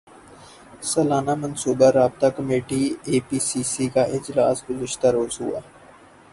سالانہ منصوبہ رابطہ کمیٹی اے پی سی سی کا اجلاس گزشتہ روز ہوا